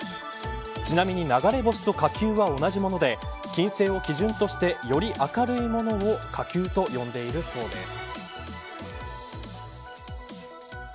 ちなみに流れ星と火球は同じもので金星を基準として、より明るいものを火球と呼んでいるそうです。